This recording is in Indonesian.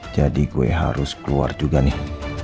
jadi gue harus keluar juga nih